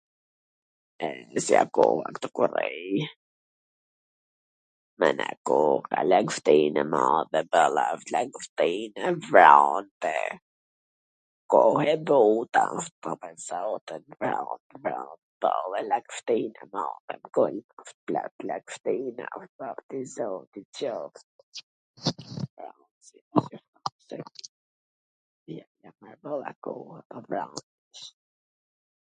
E, si a koha ktu ku rrij, me njw koh a lagshtin e madhe, boll asht lagshtin e vrant e... koh e but asht, po pwr zotin, vrant vrant vrant, dhe lagshtin e madhe, wsht plot laghtin ... zoti qoft ... koha e vrant